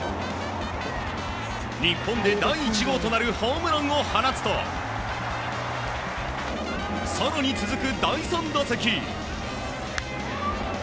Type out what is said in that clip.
日本で第１号となるホームランを放つと更に続く第３打席。